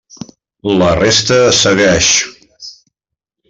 La resta segueix.